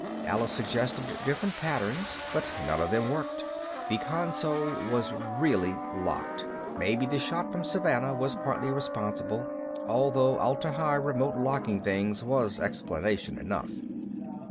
Alice suggested different patterns, but none of them worked. That console was really locked maybe the shot from Savannah was partly responsible, though Atla Hi remote locking things was explanation enough.